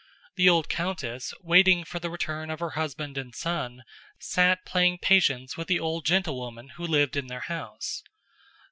The old countess, waiting for the return of her husband and son, sat playing patience with the old gentlewoman who lived in their house.